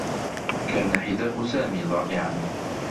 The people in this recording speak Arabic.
كان حذاء سامي ضائعا.